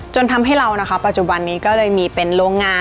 จนทำให้เรานะคะปัจจุบันนี้ก็เลยมีเป็นโรงงาน